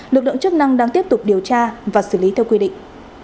lực lượng chức năng đang tiếp tục điều tra và xử lý theo quy định